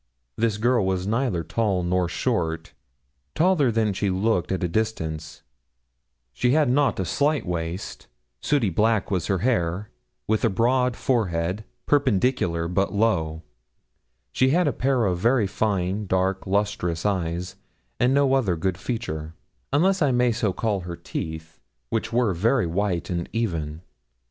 This girl was neither tall nor short taller than she looked at a distance; she had not a slight waist; sooty black was her hair, with a broad forehead, perpendicular but low; she had a pair of very fine, dark, lustrous eyes, and no other good feature unless I may so call her teeth, which were very white and even.